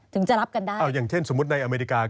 ถึงจะรับกันได้อย่างเช่นสมมุติในอเมริกา